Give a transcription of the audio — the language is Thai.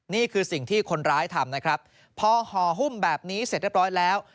นี่คือสิ่งที่คนร้ายทำนะครับพอห่อหุ้มแบบนี้เสร็จเรียบร้อยแล้ว